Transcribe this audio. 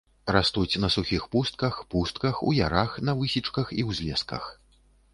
Растуць на сухіх пустках, пустках, у ярах, на высечках і ўзлесках.